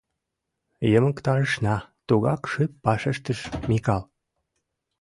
— Йымыктарышна, — тугак шып вашештыш Микал.